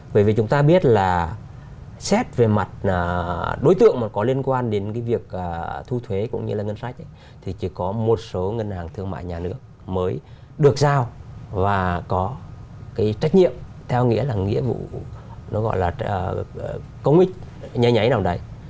bởi vì chúng ta biết là xét về mặt đối tượng mà có liên quan đến cái việc thu thuế cũng như là ngân sách thì chỉ có một số ngân hàng thương mại nhà nước mới được giao và có cái trách nhiệm theo nghĩa là nghĩa vụ nó gọi là công ích nháy nhái nào đấy